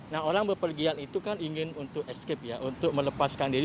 nah orang berpergian itu kan ingin untuk escape ya untuk melepaskan diri